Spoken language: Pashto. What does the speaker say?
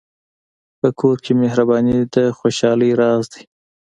په کور کې مهرباني د خوشحالۍ راز دی.